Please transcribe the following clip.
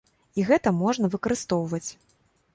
І гэта можна выкарыстоўваць.